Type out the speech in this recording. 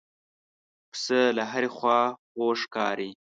پسه له هرې خوا خوږ ښکاري.